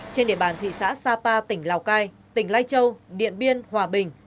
trên địa bàn thị xã sapa tỉnh lào cai tỉnh lai châu điện biên hòa bình